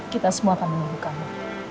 kita semua akan menunggu kamu